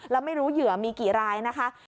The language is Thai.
แล้วไม่รู้เหยื่อมีกี่รายนะคะ